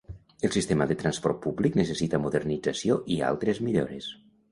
El sistema de transport públic necessita modernització i altres millores.